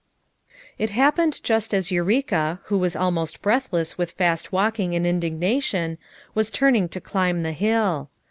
It happened just as Eureka, who was almost breathless with fast walking and indignation, was turning to climb the hill.